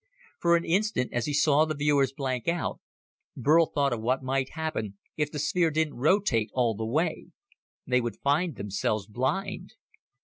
For an instant, as he saw the viewers blank out, Burl thought of what might happen if the sphere didn't rotate all the way. They would find themselves blind.